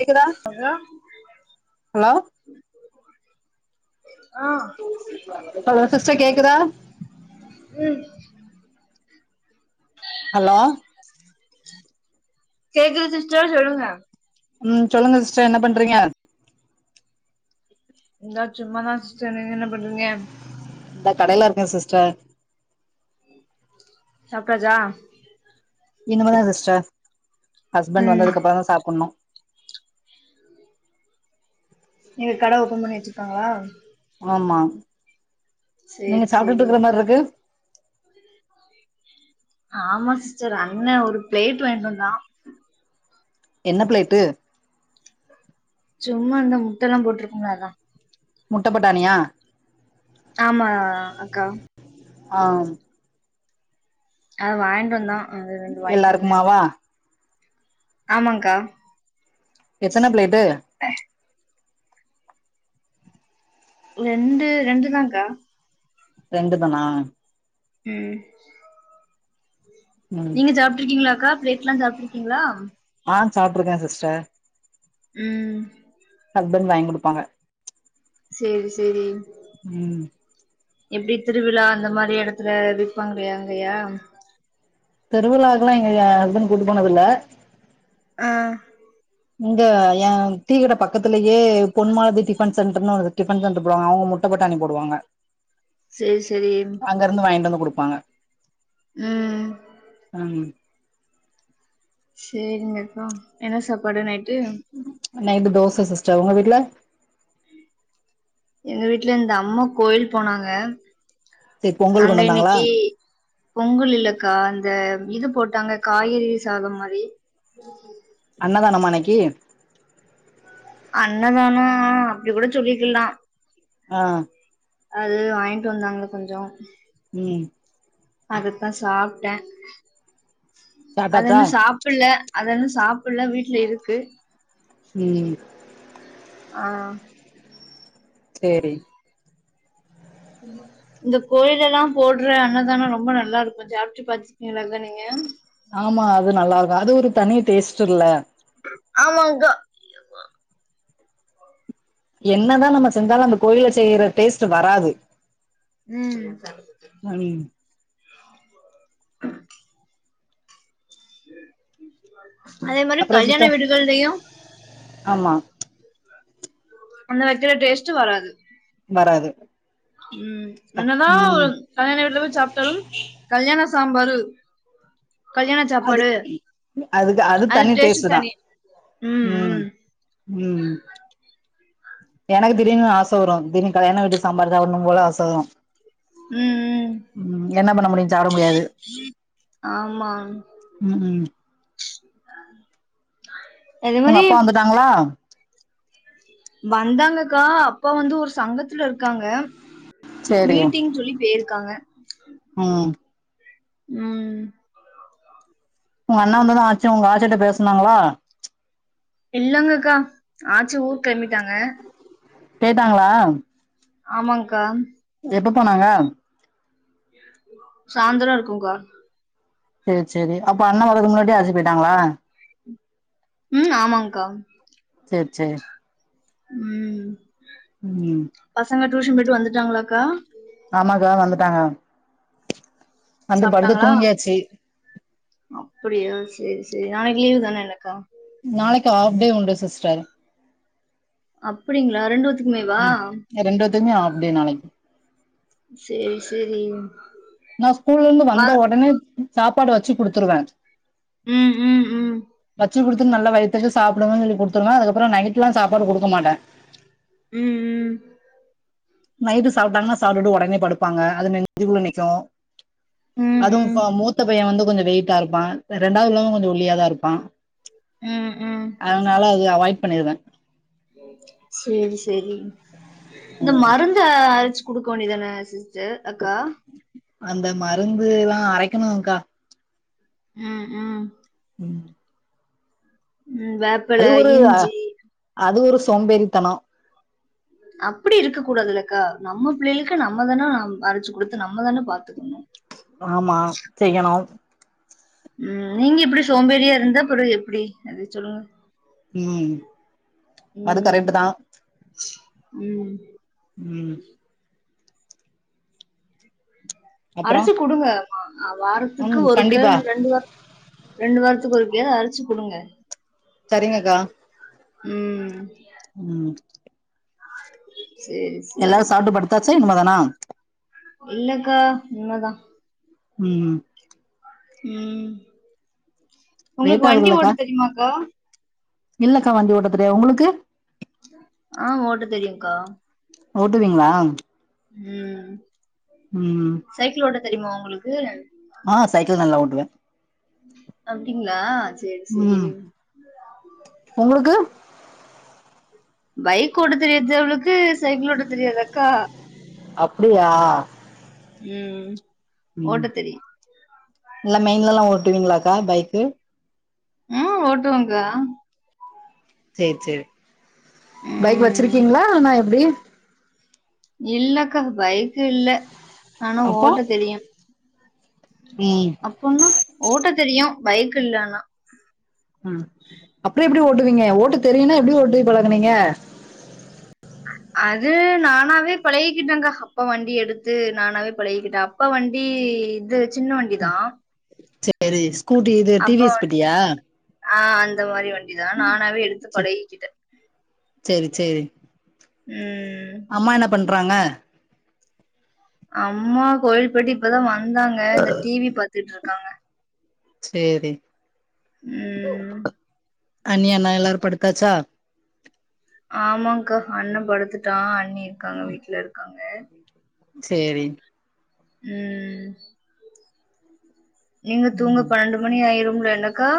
கேக்குதா இதா hello hello sister கேக்குதா உம் ஹலோ கேக்குது சிஸ்டர் சொல்லுங்க ம் சொல்லுங்க சிஸ்டர் என்ன பண்றீங்க இந்தா சும்மாதா சிஸ்டர் நீங்க என்ன பண்றீங்க இந்தா கடைலருக்கே சிஸ்டர் சாப்ட்டாச்சா இனிமே தா சிஸ்டர் ஹஸ்பண்ட் ம் வந்ததுக்கப்றோ தா சாப்புட்னோ எங்க கட ஓபன் பண்ணி வச்சுக்காங்களா ஆமா நீங்க சேரி சாப்ட்டுட்டு சேரி இக்கற மாரிருக்கு ஆமா சிஸ்டர் அண்ண ஒரு பிளேட் வாய்ண்டு வந்தா என்ன பிளேட்டு சும்மா இந்த முட்டல்லா போட்டிருக்கும்ல அதா முட்டப்பட்டாணியா ஆமா அக்கா ஆம் அது வாய்ண்டு வந்தா அது ரெண்டு வாய் திண்ணே எல்லாருக்குமாவா ஆமாங்கா எத்தன பிளேட்டு ரெண்டு ரெண்டு தா கா ரெண்டு தானா ம் ம் நீங்க சாப்ட்ருக்கீங்ளா அக்கா ப்ளேட்லா சாப்ட்ருக்கீங்ளா ஆ சாப்ட்ருக்கே சிஸ்டர் ம் ஹஸ்பண்ட் வாய்ங் குடுப்பாங்க சேரி சேரி ம் எப்டி திருவிழா அந்த மாரி எடத்துல விப்பாங்கலே அங்கயா திருவிழாக் கெல்லா எங்க எ ஹஸ்பண்ட் கூட்டு போனதில்ல ஆ இங்க ஏ‌ டீ கட பக்கத்திலயே பொன்மாலதி டிஃபன் சென்டர்னு ஒரு ஃடிபன் சென்டர் போடுவாங்க அவுங்க முட் ட பட்டாணி போடுவாங்க சேர் செரி அங்கருந்து வாய்ன்ட்டு வந்து குடுப்பாங்க ம் ம் சேரிங்க அக்கா என்ன சாப்பாடு நைட்டு நைட்டு தோச சிஸ்டர் உங்க வீட்ல எங்க வீட்ல இந்த அம்மா கோயில் போனாங்க சரி பொங்கல் அங்க கொண்டு வந்தாங்களா இன்னக்கி பொங்கல் இல்லக்கா அந்த இது போட்டாங்க காய்கறி சாதோ மாரி அன்னதான மா இன்னக்கி அன்னதானோ ஆஹ் அப்டி கூட சொல்லிக்கிலா ஆ அது வாய்ன்ட்டு வந்தாங்க கொஞ்சோ ம் அதத்தா சாப்டே அத சாப்டாச்சா இன்னு சாப் ப்பில்ல அத இன்னு சாப்பில்ல வீட்ல இருக்கு ம் ஆ சேரி இங்க கோயிலல்லா போடுற அன்னதான ரொம்ப நல்லா இருக்கு சாப்டு பாத்தீ ரீங்களாங்க நீங்க ஆமா அது நல்லா இருக்கு அது ஒரு தனி டேஸ்ட்டுல்ல ஆமாங்கா என்னதா நம்ம செஞ்சாலு அந்த கோயில செய்யற டேஸ்ட் வராது ம் மணி அதே மாறி அப்புறோ கல்யாண சிஸ்டர் வீடுகள்லையு ஆமா அங்க வைக்கிற டேஸ்ட்டு வராது வராது ம் என்னதா ம் ஒரு கல்யாண வீட்ல போய் சாப்ட்டாலு கல்யாண சாம்பாரு கல்யாண அது சாப்பாடு அதுக்கு அது தனி டேஸ்ட் டேஸ்ட்டு தா தனி ம் ம் எனக்கு திடீர்னு ஆச வரு திடீனு கல்யாண வீட்டு சாம்பார் சாப்புனு போல ஆச வரு ம் ம் ம் என்ன பண்ண முடியு சாப்ட முடியாது ஆமா ம் ம் [inaudible] ஒங்க அப்பா வந்துட்டாங்களா வந்தாங்கக்கா அப்பா வந்து ஒரு சங்கத்துல இருக்காங்க சேரி மீட்டிங் சொல்லி பேயிருக்காங்க ம் ம் உங்க அண்ணா வந்துதா ஆச்சு உங்க ஆச்சிட்ட பேசுனாங்களா இல்லங்கக்கா ஆச்சி ஊர் கிளம்பிட்டாங்க கேட்டாங்களா ஆமாங்கா எப்ப போனாங்க சாந்ரோ இருக்குக்கா சேரி சேரி அப்ப அண்ணன் வரறதுக்கு முன்னாடி ஆச்சி போயிட்டாங்களா ம் ஆமாங்க்கா சேரி சே ம் ம் பசங்க டியூஷன் போயிட்டு வந்துட்டாங்களாக்கா ஆமாக்கா வந்துட்டாங்க வந்து படுத்து சாப்ட்டாங்களா தூங்கியாச்சு அப்டியா சேரி சேரி நாளைக்கு லீவ் தானே என்னக்கா நாளைக்கு அஃப்டே உண்டு சிஸ்டர் அப்டிங்களா ரெண்டு வத்துக்குமேவா ரெண்டுவத்துக்குமே ஹாஃப் டே நாளைக்கி சேரி சேரி நான் ஸ்கூல்ல இருந்து ம வந்த உடனே சாப்பாடு வச்சு குடுத்துருவே ம் ம் ம் வச்சு குடுத்துட்டு நல்ல வயித்துக்கு சாப்டுங்கனு சொல்லி குடுத்துடுவே அதுக்கப்றோ நைட்லா சாப்பாடு குடுக்க மாட்டே ம் ம் நைட்டு சாப்டாங்கனா சாப்ட்டு உடனே படுப்பாங்க அது நெஞ்சுக்குள்ள நிக்கு அதும் ம் இப்ப மூத்த பைய வந்து கொஞ்சோ வெயிட்டா இருப்பா ரெண்டாவது உள்ளவ கொஞ்சோ ஒல்லியா தா இருப்பா ம் ம் ம் அதுனால இத அவாய்ட் பண்ணிருவே சேரி சேரி இந்த மருந் த அரச்சு குடுக்க வேண்டியதான சிஸ்டர் அக்கா அந்த மருந்து எல்லா அரைக்கணுக்கா ம் ம் ம் ம் வேப் அது ஒரு அ அது ஒரு சோம்பேறித்தனோ அப்பிடி இருக்க கூடாதுல்லக்கா நம்ம பிள்ளைகளுக்கு நம்ம தான அம் அரச்சு குடுத்து நம்ம தான பாத்துக்கணு ஆமா செய்யணு ம் நீங்க இப்டி சோம்பேறியா இருந்தா அப்பறோ எப்டி அதய சொல்லுங்க ம் அது ம். கரக்ட்டு தா ம் ம் அப்புறோ அரச்சு குடுங்க அ வாரத்துக்கு ம் ஒருக்க கண்டிப்பா இல் ரெண்டு வாரத் ரெண்டு வாரத்துக்கு ஒருக்கயாது அரச்சு குடுங்க சரிங்கக்கா ம் ம் சேரி எல்லாரு சாப்ட்டு படுத்தாச்சா இனிமே தானா இல்லக்கா இனிமே தா ம் ம் லேட் உங்ளுக் வண்டி ஆகுதுல்லக்கா ஓட்ட தெரியுமாக்கா இல்லக்கா வண்டி ஓட்ட தெரியாது உங்களுக்கு ஆ ஓட்ட தெரியுங்க்கா ஓட்டுவீங்ளா ம் ம் சைக்கிள் ஓட்ட தெரியுமா உங்கள்க்கு ஆ சைக்கிள் நல்லா ஓட்டுவே அப்டிங்ளா ம் உங்களுக்கு பைக் ஓட்ட தெரிஞ்சவளுக்கு சைக்கிளோ ஓட்ட தெரியாதாக்கா அப்டியா ம் ம் ஓட்ட தெரியு நல்லா மெயின்லல்லா ஓட்டுவீங்ளாக்கா பைக்கு ஆ ஓட்டுவங்க்கா சேரி சேரி பைக் ம் வெச்சிருக்கீங்ளானா எப்டி இல்லக்கா பைக்கு இல்ல ஆனா அப்போ ஓட்ட தெரியு ம் அப் போம்மா ஓட்ட தெரியு பைக் இல்ல ஆனா ம் அப்றோ எப்டி ஓட்டுவீங்க ஓட்ட தெரியுன்னா எப்டி ஓட்டி பழகுனீங்க அது நானாவே பழகிக்கிட்டேங்க்கா அப்பா வண்டி எடுத்து நானாவே பழகிக்கிட்டே அப் பா வண்டி இது சின்ன வண்டி தா பேரீஸ் அப்பா வண் ஆ அந்த மாரி வண்டி தா நானாவே எடுத்து பழகிக்கிட்டே சேரி சேரி ம் அம்மா என்ன பண்றாங்க அம்மா கோயில் போய்ட்டு இப்ப தா வந்தாங்க இந்த டி வி பாத்துட்ருக்காங்க சேரி ம் அண்ணி அண்ணா எல்லாரு படுத்தாச்சா ஆமாங்க்கா அண்ண படுத்துட்டா அண்ணி இருக்காங்க வீட்ல இருக்காங்க சேரி ம் நீங்க தூங்க ம் பன்னண்டு மணி ஆயிரும்ல என்னக்கா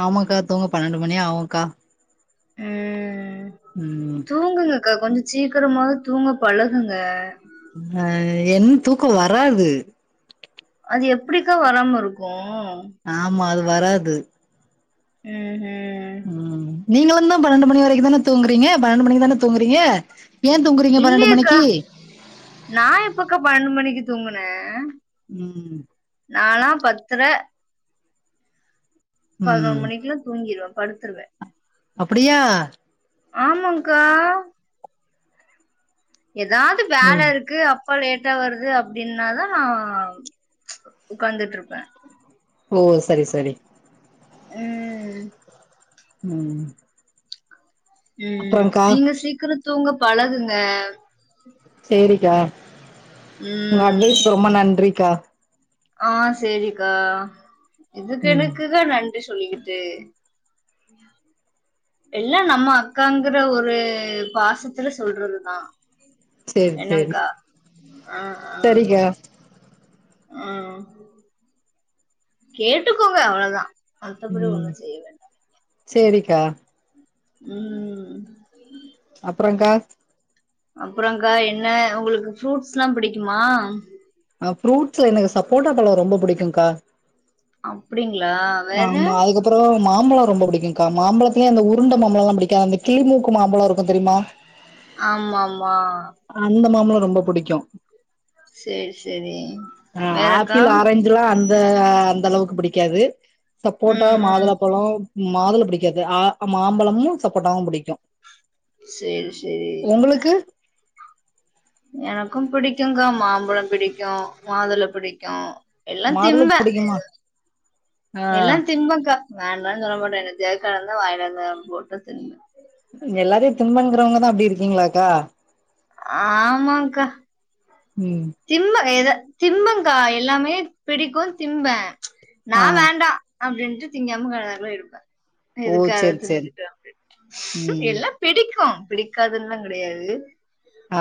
ஆமாங்க்கா தூங்க பன்னண்டு மணி ஆகுங்க்கா ம் ம் தூங்குங்கக்கா கொஞ்ச சீக்கிரமாது தூங்க பழகுங்க ம் அ என் தூக்க வராது அது எப்டிக்கா வராம இருக்கு ஆமா அது வராது ம் ம் ம் நீங்களுந்தா பன்னெண்டு மணி வரைக்கு தான தூங்குறீங்க பன்னெண்டு மணிக்கு தான தூங்குறீங்க ஏ தூங்குறீங்க பன்னெண்டு இல்லயேக்கா மணிக்கு நா எப்பக்கா பன்னெண்டு மணிக்கு தூங்குனே ம் நாலா பத்தர பதுனொரு ம் மணிக்குல தூங்கிருவே படுத்துருவே அப்டியா ஆமாங்க்கா எதாவ்து வேல ம் இருக்கு அப் ப்பா லேட்டா வருது அப்டின்னாதா நா உக்காந்துட்ருப்பே ஓ சரி சரி ம் ம் ம் அப்றோக்கா நீங்க சீக்கர தூங்க பழகுங்க சேரிக்கா உங்க ம் அட்வைஸ்க்கு ரொம்ப நன்றிக்கா ஆ சேரிக்கா இதுக்கு ம் எதுக்குக்கா நன் றி சொல்லிக்கிட்டு எல்லா நம்ம அக்காங்கிற ஒரு பாசத்துல சொல்றதுதா சேரி சேரி என்னங்க்கா ஆ ஆ சரிக்கா ஆ கேட்டுக்கோங்க அவ்வளதா மத்தப்படி ம் ஒன்னு செய்ய வேண்டா சேரிக்கா ம் அப்றங்க்கா அப்றங்க்கா என்ன உங்களுக்கு ஃப்ரூட்ஸ்லா பிடிக்குமா அ ஃப்ரூட்ஸ் எனக்கு சப்போட்டா பழ ரொம்ப புடிக்குங்க்கா அப்டிங்ளா ஆமா அதுக்கப் ப்றோ மாம்பழ ரொம்ப புடிக்குங்க்கா மாம்பழத்துலே அந்த உருண்ட மாம்பழலா பிடிக்காது அந்த கிளிமூக்கு மாம்பழ இருக்கு தெரியுமா ஆமாம்மா அந்த மாம்பழ ரொம்ப புடிக்கு சேரி சேரி வேறக்கா ரஞ்சுலா அந்த ஆ அந்த அளவுக்கு புடிக்காது சப்போட்டா ம் மாதுள ம் ப்பழ மாதுள புடிக்காது ஆ மாம்பழமு சப்போட்டாவு புடிக்கு சேரி சேரி உங்களுக்கு எனக்கு பிடிக்குங்க்கா மாம்பழ பிடிக்கு மாதுள பிடிக்கு எல்லா மாதுள திம்ப புடிக்குமா ஆ எல்லா திம்பங்க்கா வேண்டானு சொல்ல மாட்ட என்னத்தையாது கடந்தா வாயில போட்டு திம்ப எல்லாத்தியு திம்பேங்கறவங்கதா அப்டி இருக்கீங்களாக்கா ஆமாங்க்கா ம் திம்ப எத திம்பங்க்கா எல்லாமே பிடிக்கு திம்ப நா ஆ வேண்டா அப்டின்ட்டு திங்காம கொள்ளாம இருப்ப ஓ எதுக்கு அத சேரி சேரி தின்னுக்குட்டு அப்டின்ட் ம் இல்ல பிடிக்கு‌ பிடிக்காதுன்னுல்லா கெடையாது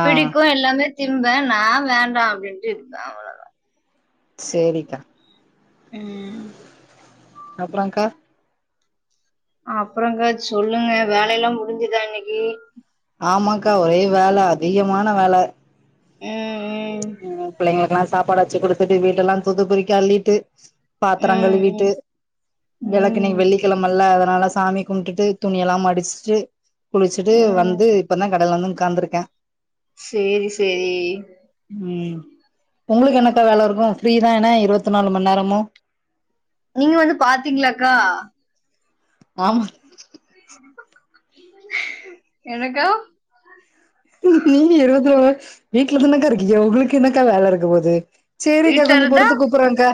ஆ பிடிக்கு எல்லாமே திம்ப நா வேண் டா அப்டின்ட்டு இருப்ப அவ்ளோ சேரிக்கா ம் அப்புறோங்க்கா அப்பறங்க்கா சொல்லுங்க வேலைல்லா முடிஞ்சுதா இன்னிக்கு ஆமாக்கா ஒரே வேல அதிகமான வேல ம் ம் ம் ம் பிள்ளைங்களுக்கெல்லா சாப்பாடு வச்சு குடுத்துட்டு வீட்டெல்லா தூத்து பெருக்கி அள்ளிட்டு பாத்தரங் கழுவிட்டு ம் ம் வெளக்கு ம் இன்னிக் ம் வெள்ளி கிழமல்ல அதனால சாமி கும்ட்டுட்டு துணி எல்லா‌ மடிச்சுட்டு குளிச்சிட்டு ம் வந்து இப்பதா கடைல வந்து உக்காந்துருக்க சேரி சேரி ம் உங்களுக்கு என்னக்கா வேல இருக்கு ஃப்ரீதான இருவத்து நாலு மண் நேரமு நீங்க வந்து பாத்தீங்களாக்கா ஆமா என்னக்கா நீங்க இருவத்து நாலு வீட்ல தானக்கா இருக்கீங்க உங்களுக்கு என்னக்கா வேல இருக்க போது சேரிக்கா வீட்ல கொஞ்சோ இருந்தா பொறுத்து கூப்புறங்க்கா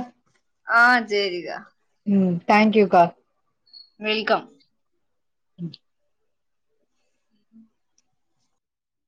ஆ சேரிக்கா ம் தேங்க்யூக்கா வெல்கம்